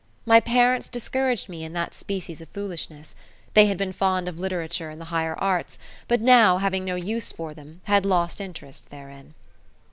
My parents discouraged me in that species of foolishness. They had been fond of literature and the higher arts, but now, having no use for them, had lost interest therein.